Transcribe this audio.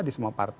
di semua parlamen